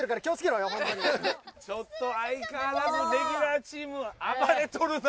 ちょっと相変わらずレギュラーチーム暴れとるな。